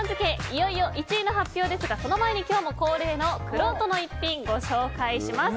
いよいよ１位の発表ですがその前に今日も恒例のくろうとの逸品をご紹介します。